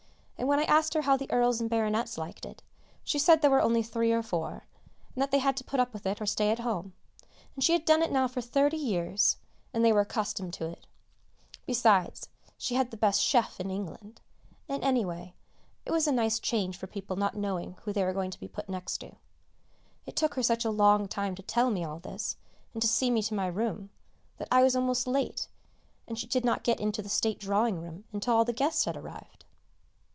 And when I asked her how the earls and baronets liked it, she said there were only three or four, and they had to put up with it or stay at home; she had done it now for thirty years, and they were accustomed to it; besides, she had the best chef in England, and anyway it was a nice change for people not knowing who they were going to be put next to. It took her such a long time to tell me all this, and to see me to my room, that I was almost late, and she did not get into the state drawing room until all the guests had arrived.